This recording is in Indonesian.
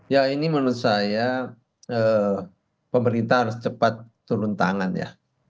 ya ini menurut saya pemerintah harus cepat turun tangan ya